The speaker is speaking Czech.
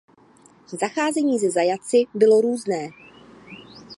Zacházení se zajatci bylo různé.